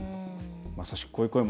まさしく、こういう声も。